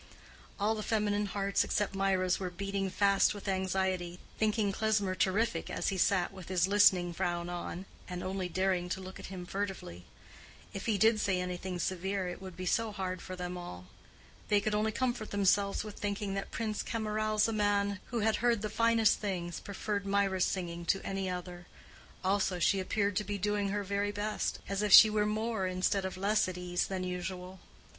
All the feminine hearts except Mirah's were beating fast with anxiety, thinking Klesmer terrific as he sat with his listening frown on, and only daring to look at him furtively. If he did say anything severe it would be so hard for them all. They could only comfort themselves with thinking that Prince Camaralzaman, who had heard the finest things, preferred Mirah's singing to any other: also she appeared to be doing her very best, as if she were more instead of less at ease than usual.